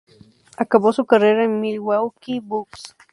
Acabó su carrera en Milwaukee Bucks.